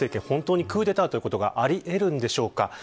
本当にクーデターということがあり得るんでしょうか。